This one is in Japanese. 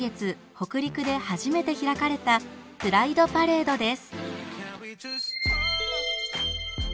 北陸で初めて開かれたプライド・パレードです。